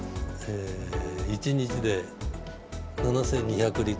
１日で７２００Ｌ。